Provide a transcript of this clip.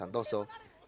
yang mencari uang